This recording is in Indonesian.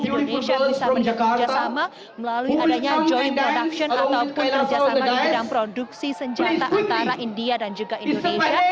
indonesia bisa mendukung kerjasama melalui adanya joint production ataupun kerjasama di bidang produksi senjata antara india dan juga indonesia